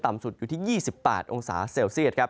ต่ำสุดอยู่ที่๒๘องศาเซียต